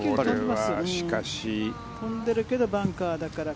飛んでるけどバンカーだから。